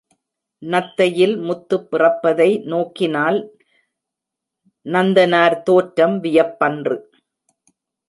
நத்தையில் முத்து பிறப்பதை நோக்கினால் நந்தனார் தோற்றம் வியப்பன்று.